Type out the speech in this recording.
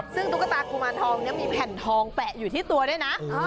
ซึ่งตุ๊กตากุมารทองนี้มีแผ่นทองแปะอยู่ที่ตัวด้วยนะ